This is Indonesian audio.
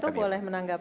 pak sayu boleh menanggap